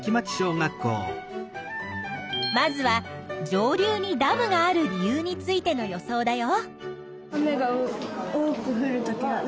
まずは上流にダムがある理由についての予想だよ。